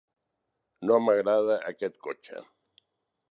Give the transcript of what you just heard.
No m'agrada aquest cotxe.